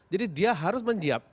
jadi dia harus menyiap